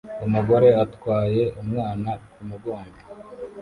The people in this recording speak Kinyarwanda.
Umugore atwaye umwana kumugongo